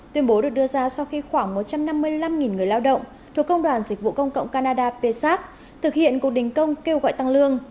tuyên bố được đưa ra sau khi khoảng một trăm năm mươi năm người lao động thuộc công đoàn dịch vụ công cộng canada psak thực hiện cuộc đình công kêu gọi tăng lương